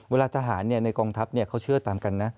เวลาทหารในกองทัพเขาเชื่อตามกันนะ